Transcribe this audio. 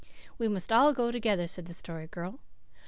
"We must all go together," said the Story Girl.